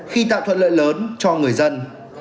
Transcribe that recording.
khi tạo thuận lợi lớn cho người dân